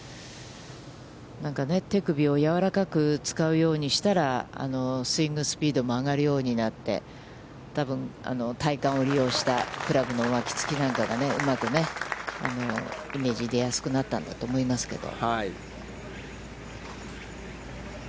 なんか手首をやわらかく使うようにしたら、スイングスピードも上がるようになって、多分体幹を利用した、クラブの巻きつきなんかがうまく握りやすくなったんだと思うんですけど。